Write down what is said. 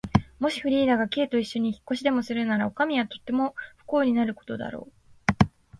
もしフリーダが Ｋ といっしょに引っ越しでもするなら、おかみはとても不幸になることだろう。